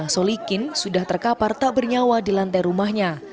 solikin sudah terkapar tak bernyawa di lantai rumahnya